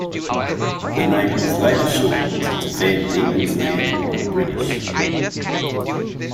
The name was later shortened to Van Diemen's Land by the British.